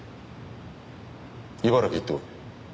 茨城へ行ってこい。